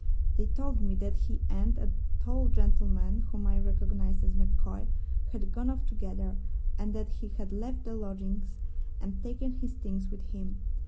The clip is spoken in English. They told me that he and a tall gentleman (whom I recognized as MacCoy) had gone off together, and that he had left the lodgings and taken his things with him.